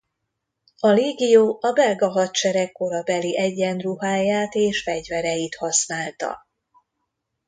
A légió a belga hadsereg korabeli egyenruháját és fegyvereit használta.